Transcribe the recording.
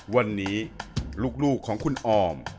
วันนี้ลูกของคุณออม